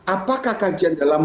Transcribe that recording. apakah kajian dalam